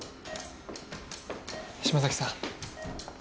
嶋崎さん